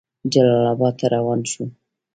جلال آباد ته روان شو.